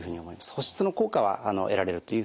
保湿の効果は得られるというふうに思います。